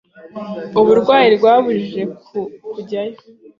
Uburwayi bwambujije kujyayo.